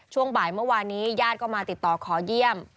ช่วงบ่ายเมื่อวานนี้ญาติก็มาติดต่อขอเยี่ยม